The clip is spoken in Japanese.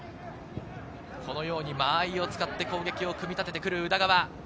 このように間合いを使って攻撃を組み立てて来る宇田川。